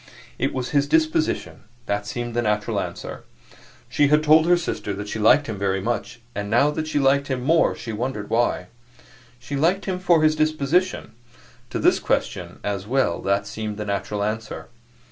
It was his disposition that seemed the natural answer. She had told her sister that she liked him very much, and now that she liked him more she wondered why. She liked him for his disposition; to this question as well that seemed the natural answer.